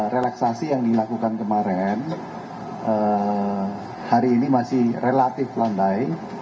relaksasi yang dilakukan kemarin hari ini masih relatif landai